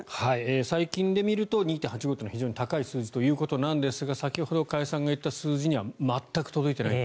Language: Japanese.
最近で見ると２．８５％というのは非常に高い数字ということですが先ほど加谷さんが言った数字には全く届いていないと。